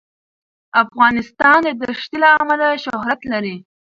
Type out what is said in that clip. افغانستان د دښتې له امله شهرت لري.